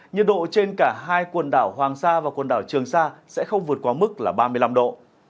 nhiệt độ trên cả hai quần đảo hoàng sa và quần đảo trường sa sẽ không vượt qua mức là ba mươi năm độ